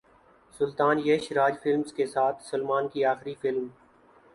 سلطان Yash Raj films کے ساتھ سلمان کی اخری فلم